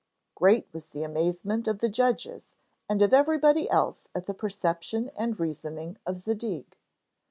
Great was the amazement of the judges and of everybody else at the perception and reasoning of Zadig.